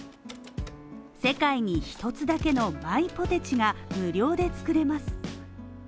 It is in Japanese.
世界に１つだけのマイポテチが無料で作れます。